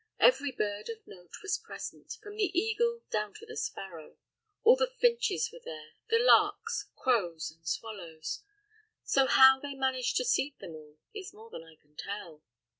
Every bird of note was present, from the eagle down to the sparrow. All the finches were there, the larks, crows, and swallows; so how they managed to seat them all is more than I can tell.